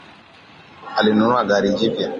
Alinunua gari jipya